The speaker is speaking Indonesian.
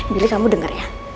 bila kamu denger ya